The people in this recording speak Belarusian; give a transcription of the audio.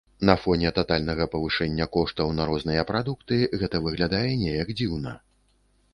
На фоне татальнага павышэння коштаў на розныя прадукты гэта выглядае неяк дзіўна.